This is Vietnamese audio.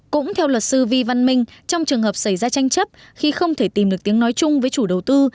cũng theo luật sư vi văn minh trong trường hợp xảy ra tranh chấp khi không thể tìm được tiếng nói chung với chủ đầu tư